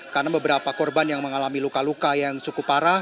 karena beberapa korban yang mengalami luka luka yang cukup parah